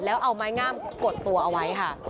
แล้วเอาไม้งามกดตัวเอาไว้ค่ะ